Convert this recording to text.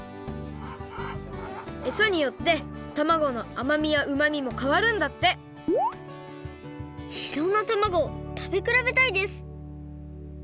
えさによってたまごのあまみやうまみもかわるんだっていろんなたまごをたべくらべたいです！